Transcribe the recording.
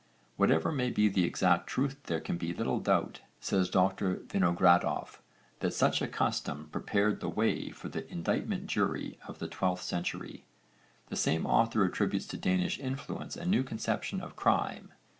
Whatever may be the exact truth there can be little doubt, says Dr Vinogradoff, that such a custom prepared the way for the indictment jury of the 12th century. The same author attributes to Danish influence a new conception of crime.